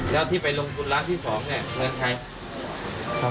แล้วที่ไปลงทุนร้านที่๒เนี่ยเงินใคร